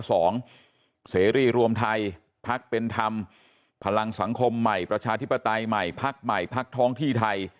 เสรีรวมไทยพักเป็นธรรมพลังสังคมใหม่ประชาธิปไตยใหม่พักใหม่พักท้องที่ไทย